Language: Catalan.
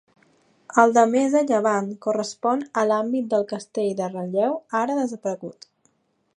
El de més a llevant correspon a l'àmbit del Castell de Ralleu, ara desaparegut.